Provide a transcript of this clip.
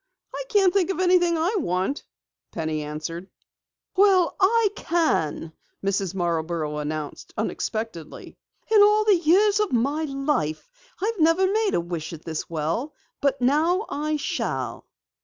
"I can't think of anything I want," Penny answered. "Well, I can!" Mrs. Marborough announced unexpectedly. "In all the years of my life I've never made a wish at this well, but now I shall!"